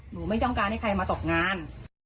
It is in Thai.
ไม่ต้องการให้ใครมาตกงาน